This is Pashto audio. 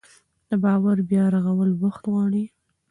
د باور بیا رغول وخت غواړي